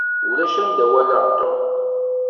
Ulac anda i walaɣ Tom.